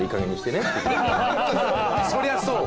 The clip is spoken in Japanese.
そりゃそう。